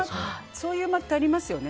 そういう間ってありますよね。